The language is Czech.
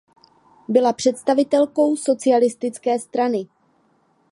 Byla představitelkou Socialistické strany.